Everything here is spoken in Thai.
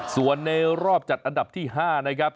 ส่วนในรอบจัดอันดับที่๕นะครับ